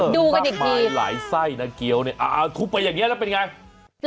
ดูกันอีกทีมันปรากมาหลายไส้นะเกี้ยวนี่เอาคุบไปอย่างนี้แล้วเป็นอย่างไร